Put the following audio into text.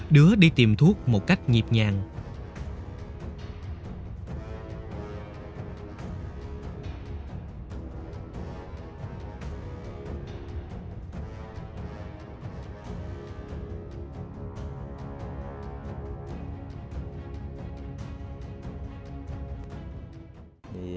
đứa đi tìm thuốc một cách nhịp nhàng